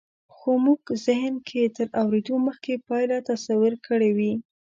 خو مونږ زهن کې تر اورېدو مخکې پایله تصور کړې وي